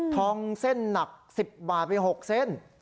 ทองเส้นหนัก๑๐บาทไป๖เส้น